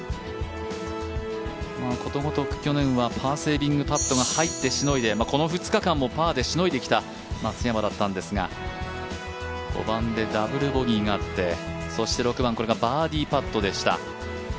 ことごとく去年はパーセービングパットが入ってしのいでこの２日間もパーでしのいできた松山だったんですが５番でダブルボギーがあって６番バーディーパットでした。